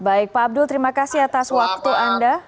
baik pak abdul terima kasih atas waktu anda